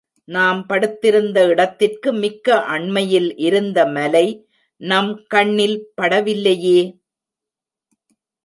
நாம் படுத்திருந்த இடத்திற்கு மிக்க அண்மையில் இருந்த மலை நம் கண்ணில் படவில்லையே!